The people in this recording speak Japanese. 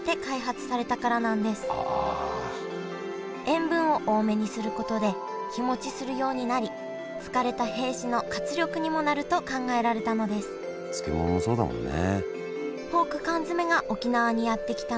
塩分を多めにすることで日もちするようになり疲れた兵士の活力にもなると考えられたのです漬物もそうだもんね。